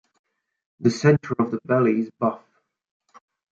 The centre of the belly is buff.